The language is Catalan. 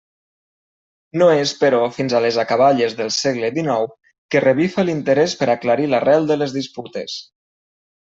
No és, però, fins a les acaballes del segle dinou que revifa l'interès per aclarir l'arrel de les disputes.